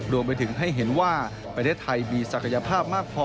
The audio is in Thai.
รวมไปถึงให้เห็นว่าประเทศไทยมีศักยภาพมากพอ